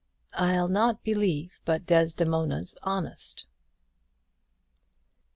"I'LL NOT BELIEVE BUT DESDEMONA'S HONEST."